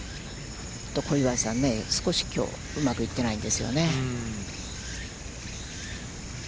小祝さん、少しきょう、うまくいってないんですよね。